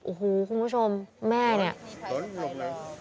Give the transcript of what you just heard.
โอ้โหคุณผู้ชมแม่เนี่ย